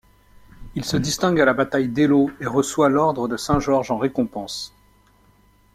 Il se distingue à la bataille d'Eylau et reçoit l'Ordre de Saint-Georges en récompense.